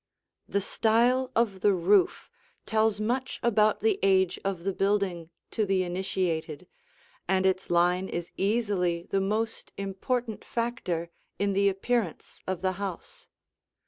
The style of the roof tells much about the age of the building to the initiated, and its line is easily the most important factor in the appearance of the house.